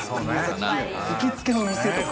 行きつけの店とか。